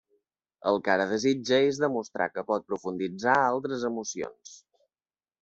El que ara desitja és demostrar que pot profunditzar altres emocions.